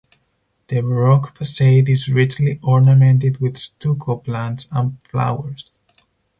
The Baroque facade is richly ornamented with stucco plants and flowers.